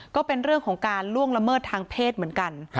ก็เป็นเรื่องของการล่วงละเมิดทางเพศเหมือนกัน